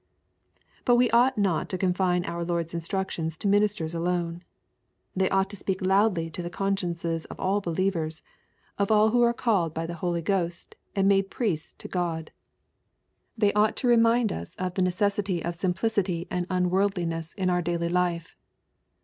But we ought not to confine our Lord's instructions to ministers alone. Thev ought to speak loudly to the LUKE, CHAP. X. 849 consciences of all believers, of all who are called by the Holy Ghost and made priests to God. They ought to remind us of the necessity of simplicity and unworldli ness in our daily life.